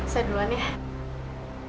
saya duluan ya